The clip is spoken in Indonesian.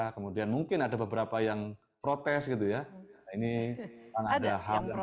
kemudian mungkin ada beberapa yang protes gitu ya ini kan ada hal hal sosial gitu ya